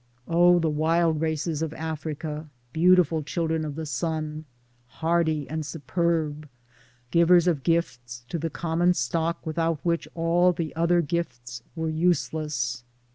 O the wild races of Africa, beautiful children of the sun, hardy and superb, givers of gifts to the common stock without which all the other gifts were useless